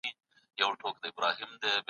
زموږ څېړني د پرمختګ په حال کي دي.